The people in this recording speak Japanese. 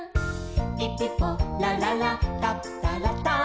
「ピピポラララタプタラタン」